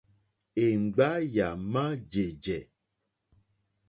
Èŋɡba yà má jèjɛ̀.